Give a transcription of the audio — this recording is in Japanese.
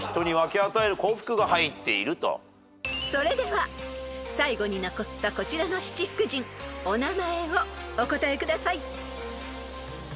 ［それでは最後に残ったこちらの七福神お名前をお答えください］